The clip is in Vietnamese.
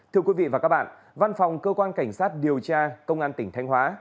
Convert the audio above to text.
thưa quý vị và các bạn văn phòng cơ quan cảnh sát điều tra công an tỉnh thanh hóa